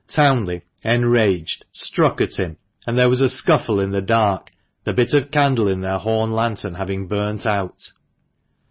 Townley, enraged, struck at him, and there was a scuffle in the dark, the bit of candle in their horn lantern having burnt out.